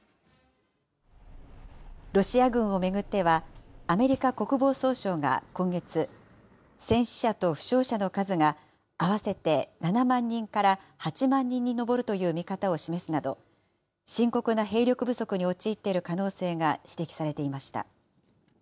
ロシア軍を巡っては、アメリカ国防総省が今月、戦死者と負傷者の数が、合わせて７万人から８万人に上るという見方を示すなど、深刻な兵力不足に陥っている可能性が指摘されていました。